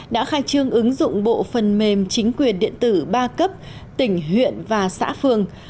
đã khai trương ứng dụng bộ phần mềm chính quyền điện tử ba cấp tỉnh huyện và xã phường